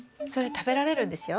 食べられるんですか？